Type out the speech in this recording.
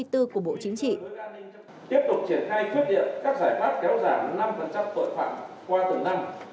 tiếp tục triển khai quyết liệt các giải pháp kéo giảm năm tội phạm qua từng năm